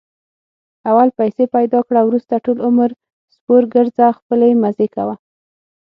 اول پیسې پیدا کړه، ورسته ټول عمر سپورګرځه خپلې مزې کوه.